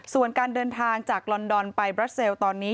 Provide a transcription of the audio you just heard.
ส่วนการเดินทางจากลอนดอนไปบราเซลตอนนี้